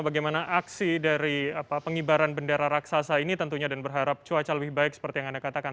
bagaimana aksi dari pengibaran bendera raksasa ini tentunya dan berharap cuaca lebih baik seperti yang anda katakan